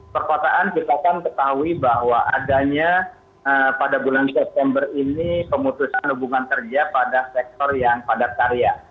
perkotaan kita kan ketahui bahwa adanya pada bulan september ini pemutusan hubungan kerja pada sektor yang padat karya